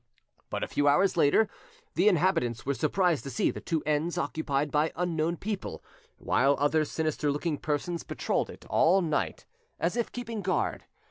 But, a few hours later, the inhabitants were surprised to see the two ends occupied by unknown people, while other sinister looking persons patrolled it all night, as if keeping guard.